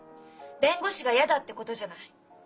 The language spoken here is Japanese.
「弁護士が嫌だ」ってことじゃない。